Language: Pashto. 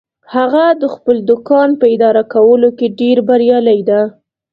هغه د خپل دوکان په اداره کولو کې ډیر بریالی ده